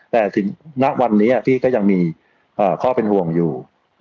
แต่ถึงณวันนี้พี่ก็ยังมีข้อเป็นห่วงอยู่